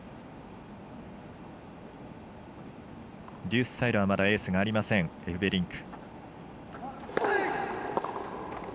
デュースサイドはまだエースありませんエフベリンク。